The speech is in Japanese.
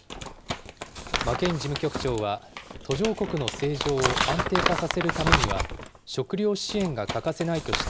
マケイン事務局長は、途上国の政情を安定化させるためには、食料支援が欠かせないとし